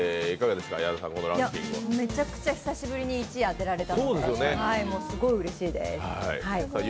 めちゃくちゃ久しぶりに１位当てられたのですごいうれしいです。